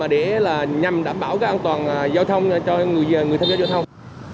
để nhằm đảm bảo an toàn giao thông cho người tham gia giao thông